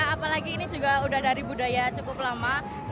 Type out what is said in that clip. apalagi ini juga udah dari budaya cukup lama